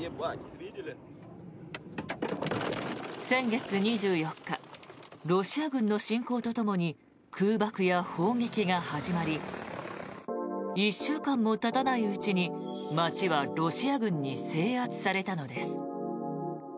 先月２４日ロシア軍の侵攻とともに空爆や砲撃が始まり１週間もたたないうちに街はロシア軍に制圧されたのです。